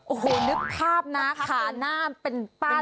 โอ้โหนึกภาพนะขาหน้าเป็นป้า